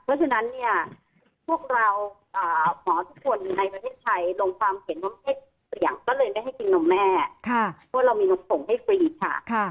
เพราะฉะนั้นเนี่ยพวกเราหมอทุกคนในประเทศไทย